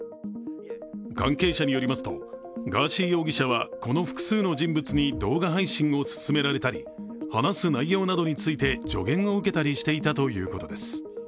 関係者によりますとガーシー容疑者はこの複数の人物に動画配信を勧められたり話す内容などについて助言を受けたりしていたということです。